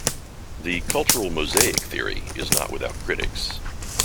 The "cultural mosaic" theory is not without critics.